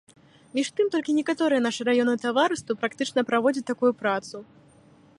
Між тым толькі некаторыя нашы раённыя таварыствы практычна праводзяць такую працу.